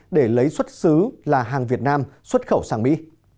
để lấy xuất xứ là hàng việt nam xuất khẩu sang mỹ